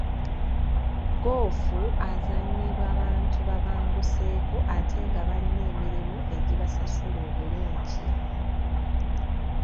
Ggoofu azannyibwa bantu babanguseeko ate nga balina emirimu egibasasula obulungi.